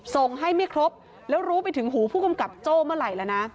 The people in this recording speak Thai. ส่งให้ไม่ครบแล้วรู้ไปถึงหูผู้กำกับโจ้เมื่อไหร่แล้วนะ